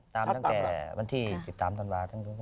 ตามตั้งแต่วันที่๑๓ธันวาคม